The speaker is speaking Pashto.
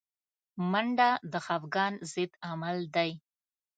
منډه د خفګان ضد عمل دی